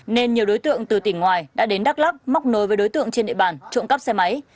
nên nhiều đối tượng từ tỉnh ngoài đã đến đắk lắc móc nối với đối tượng trên địa bàn trộm cắp xe máy